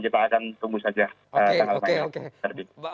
kita akan tunggu saja